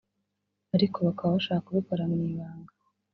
ariko bakaba bashaka kubikora mu ibanga